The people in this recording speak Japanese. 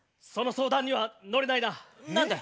その相談には乗れないな。